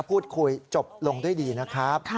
พูดคุยจบลงด้วยดีนะครับ